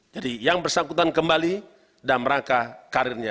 jadi yang bersangkutan kembali dan merangkah karirnya